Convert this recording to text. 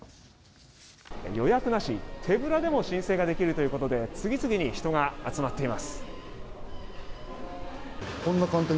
予約なし手ぶらでも申請ができるということで次々に人が集まっています。